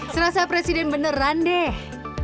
serasa presiden beneran deh